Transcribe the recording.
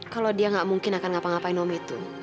kalau dia nggak mungkin akan ngapa ngapain om itu